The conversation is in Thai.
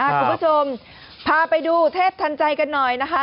คุณผู้ชมพาไปดูเทพทันใจกันหน่อยนะคะ